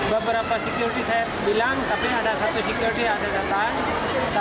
beberapa security saya bilang tapi ada satu security yang ada datang